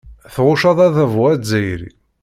Tɣucceḍ adabu azzayri.